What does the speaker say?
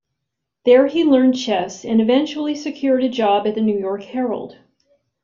There he learned chess and eventually secured a job at the "New York Herald".